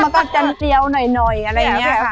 ไม่ต้องจันทรีย์เดียวหน่อยหน่อยอะไรแบบนี้